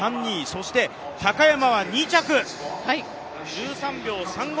そして高山は２着、１３秒３５！